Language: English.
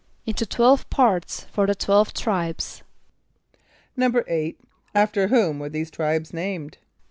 =Into twelve parts for the twelve tribes.= =8.= After whom were these tribes named?